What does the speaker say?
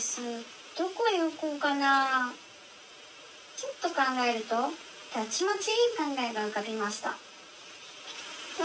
「ちょっとかんがえるとたちまちいいかんがえがうかびました」。